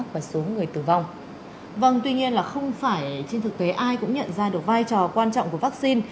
vâng tuy nhiên là không phải trên thực tế ai cũng nhận ra được vai trò quan trọng của vaccine